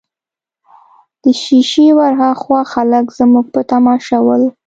د شېشې ورهاخوا خلک زموږ په تماشه ول.